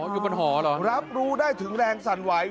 อยู่บนหอเหรอรับรู้ได้ถึงแรงสั่นไหว